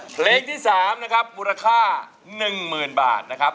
เพลงที่๓นะครับมูลค่า๑๐๐๐บาทนะครับ